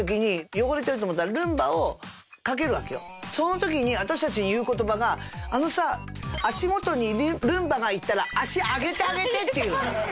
その時に私たちに言う言葉が「あのさ足元にルンバが行ったら足上げてあげて！」って言うの。